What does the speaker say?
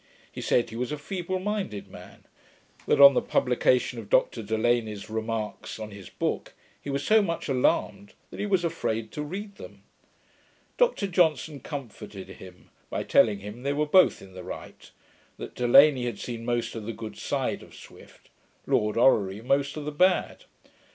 He said, he was a feeble minded man; that, on the publication of Dr Delany's Remarks on his book, he was so much alarmed that he was afraid to read them. Dr Johnson comforted him, by telling him they were both in the right; that Delany had seen most of the good side of Swift, Lord Orrery most of the bad.